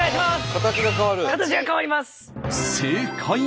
形が変わります。